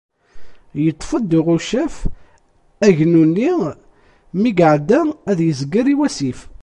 Yeṭṭef-d uɣucaf agnu-nni mi iεedda ad yezger i wasif.